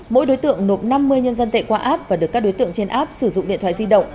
mỗi đối tượng nộp năm mươi nhân dân tệ qua app và được các đối tượng trên app sử dụng điện thoại di động